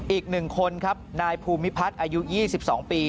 อีก๑คนครับนายภูมิพัฒน์อายุ๒๒ปี